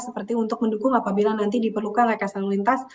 seperti untuk mendukung apabila nanti diperlukan rekasan lalu lintas